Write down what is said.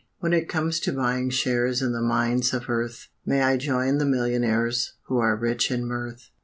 When it comes to buying shares In the mines of earth, May I join the millionaires Who are rich in mirth.